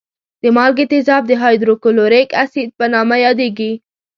د مالګي تیزاب د هایدروکلوریک اسید په نامه یادېږي.